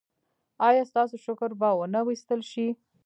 ایا ستاسو شکر به و نه ویستل شي؟